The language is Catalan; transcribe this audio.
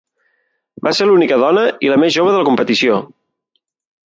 Va ser l'única dona i la més jove de la competició.